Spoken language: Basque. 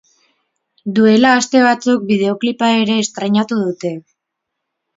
Duela aste batzuk bideoklipa ere estreinatu dute.